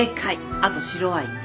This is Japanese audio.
あと白ワインね。